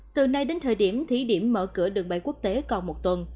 từ nay đến thời điểm thí điểm mở cửa đường bay quốc tế còn một tuần